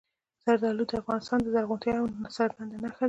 زردالو د افغانستان د زرغونتیا یوه څرګنده نښه ده.